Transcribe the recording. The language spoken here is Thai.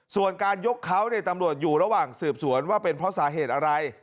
ส่วนการยกเขาตำรวจอยู่ระหว่างสืบสวนว่าเป็นเพราะสาเหตุอะไร